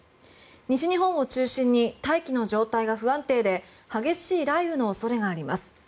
西日本を中心に大気の状態が不安定で激しい雷雨の恐れがあります。